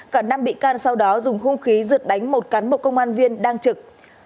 cả năm bị can sau đó dùng hung khí rượt đánh một cắn một công an viên đang trực